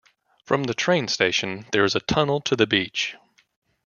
From the train station, there is a tunnel to the beach.